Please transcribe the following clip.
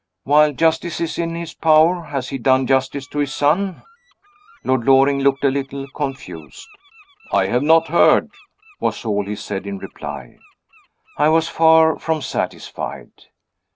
"While justice is in his power, has he done justice to his son?" Lord Loring looked a little confused. "I have not heard," was all he said in reply. I was far from satisfied.